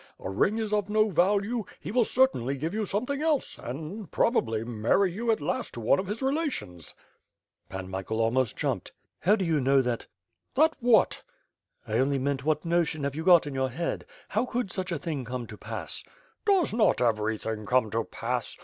A ring is of no value; he will cer tainly give you something else, and probably marry you at last to one of his relations." Pan Michael almost jumped. "How do you know that. ..*' WITH FIRE AND HWORD. 565 "That what?'' "I only meant what notion have you got in your head? How could such a thing come to pass?" "Does not everything come to pass?